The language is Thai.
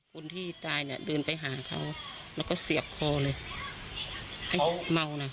คนที่ตายเนี่ยเดินไปหาเขาแล้วก็เสียบคอเลยให้เมาน่ะ